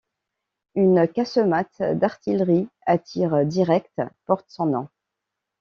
Une casemate d'artillerie à tir direct porte son nom.